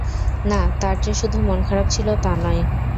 না, তার যে শুধু মন খারাপ ছিল তা নয়।